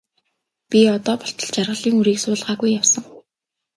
Би одоо болтол жаргалын үрийг суулгаагүй явсан.